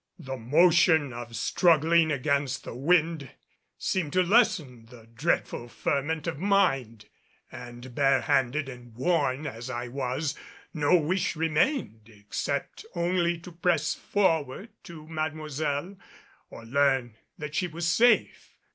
The motion of struggling against the wind seemed to lessen the dreadful ferment of mind; and bare handed and worn as I was, no wish remained except only to press onward to Mademoiselle, or learn that she was safe.